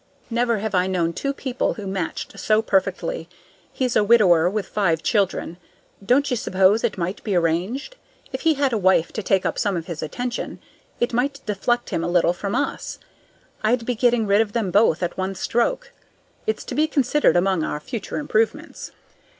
Never have I known two people who matched so perfectly. He's a widower with five children. Don't you suppose it might be arranged? If he had a wife to take up his attention, it might deflect him a little from us. I'd be getting rid of them both at one stroke. It's to be considered among our future improvements.